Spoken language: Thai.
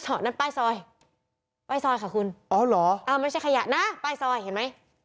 นั่นป้ายซอยป้ายซอยค่ะคุณอ๋อเหรออ่าไม่ใช่ขยะนะป้ายซอยเห็นไหม